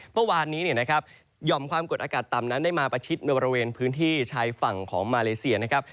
เมื่อวานนี้เนี่ยนะครับหย่อมความกดอากาศต่ำนั้นได้มาประชิดในบริเวณพื้นที่ชายฝั่งของมาเลเซียนะครับ